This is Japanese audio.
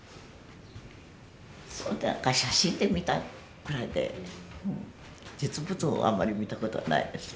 写真で見たくらいで実物をあんまり見たことはないです。